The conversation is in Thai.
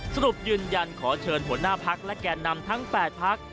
สรุปยืนยันขอเชิญหัวหน้าพักและแก่นำทั้ง๘พัก